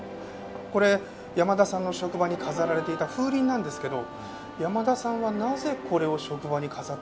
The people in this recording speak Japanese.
これ山田さんの職場に飾られていた風鈴なんですけど山田さんはなぜこれを職場に飾ってたんでしょう？